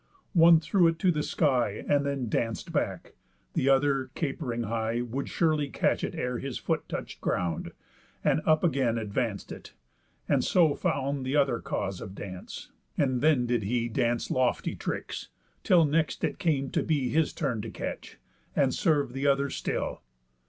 One threw it to the sky, And then danc'd back; the other, capering high, Would surely catch it ere his foot touch'd ground, And up again advanc'd it, and so found The other cause of dance; and then did he Dance lofty tricks, till next it came to be His turn to catch, and serve the other still.